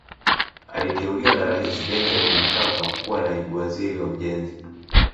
Aliteuliwa na Rais Benjamin Mkapa kuwa Naibu Waziri wa Ujenzi